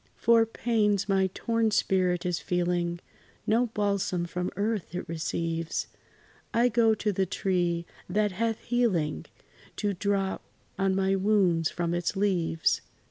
For pains my torn spirit is feeling, No balsam from earth it receives: I go to the tree, that hath healing To drop on my wounds from its leaves.